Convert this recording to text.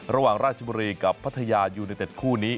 ระหว่างราชบุรีกับภัทยายุนิเทศคู่นี้